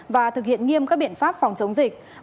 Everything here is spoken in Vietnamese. và thực hiện nghiêm các biện pháp phòng chống dịch